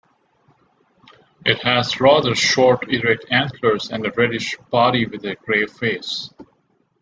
It has rather short, erect antlers and a reddish body with a grey face.